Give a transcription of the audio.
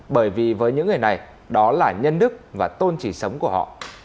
bởi vì với những người này đó là nhân đức và tôn chỉ sống của họ